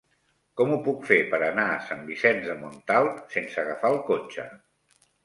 Com ho puc fer per anar a Sant Vicenç de Montalt sense agafar el cotxe?